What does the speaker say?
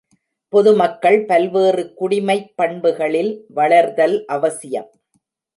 பொதுமக்கள் பல்வேறு குடிமைப்பண்புகளில் வளர்தல் அவசியம்.